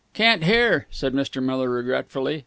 "Can't hear!" said Mr. Miller regretfully.